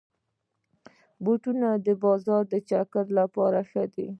بوټونه د بازار د چکر لپاره ښه دي.